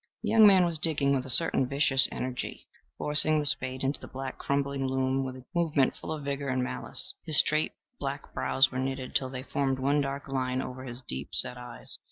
The young man was digging with a certain vicious energy, forcing the spade into the black crumbling loam with a movement full of vigor and malice. His straight black brows were knitted till they formed one dark line over his deep set eyes.